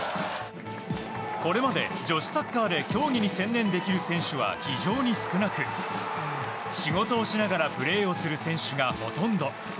これまで女子サッカーで競技に専念できる選手は非常に少なく、仕事をしながらプレーをする選手がほとんど。